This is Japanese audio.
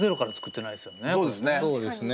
そうですね。